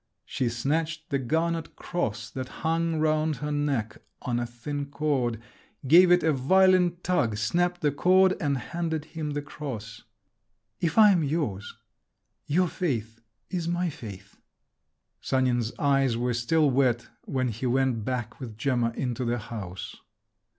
…" She snatched the garnet cross that hung round her neck on a thin cord, gave it a violent tug, snapped the cord, and handed him the cross. "If I am yours, your faith is my faith!" Sanin's eyes were still wet when he went back with Gemma into the house.